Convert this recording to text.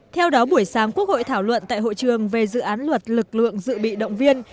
theo đó buổi sáng quốc hội thảo luận tại hội trường về dự án luật lực lượng dự bị động viên